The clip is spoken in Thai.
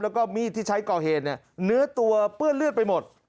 แล้วก็มีดที่ใช้ก่อเหตุเนี่ยเนื้อตัวเปื้อนเลือดไปหมด